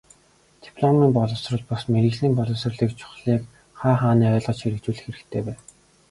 Дипломын боловсрол бус, мэргэжлийн боловсролыг чухлыг хаа хаанаа ойлгож хэрэгжүүлэх хэрэгтэй байна.